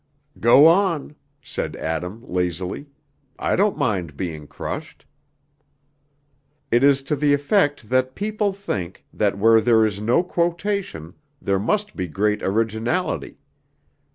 "Go on," said Adam, lazily; "I don't mind being crushed." "It is to the effect that people think that where there is no quotation there must be great originality.